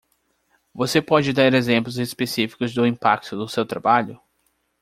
Você pode dar exemplos específicos do impacto do seu trabalho?